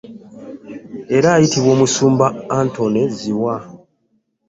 Era ayitibwa omusimba Anthony Zziwa